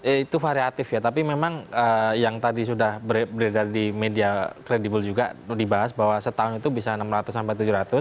itu variatif ya tapi memang yang tadi sudah beredar di media kredibel juga dibahas bahwa setahun itu bisa enam ratus sampai tujuh ratus